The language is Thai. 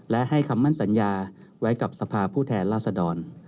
และให้คำมั่นสัญญาไว้กับสภาพผู้แทนราษดร